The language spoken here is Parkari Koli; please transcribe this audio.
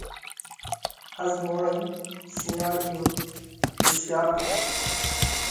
ۿزموڻئِي شِينئاۯِيو هوشِيار هتو۔